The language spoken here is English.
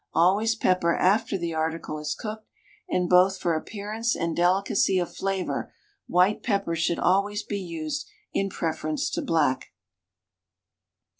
Always pepper after the article is cooked, and both for appearance and delicacy of flavor white pepper should always be used in preference to black.